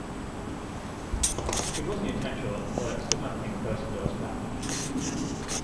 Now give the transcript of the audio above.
It wasn't intentional but it's the kind of thing a person does without thinking.